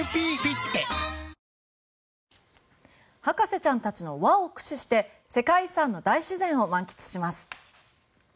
博士ちゃんたちの輪を駆使して世界遺産の大自然を満喫します。